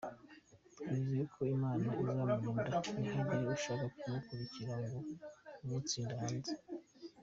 Twizere ko Imana izamurinda ntihagire ushaka kumukurikira ngo amutsinde hanze.